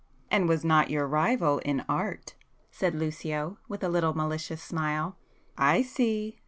"And was not your rival in art!" said Lucio with a little malicious smile—"I see!